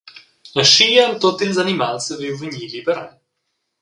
Aschia han tut ils animals saviu vegnir liberai.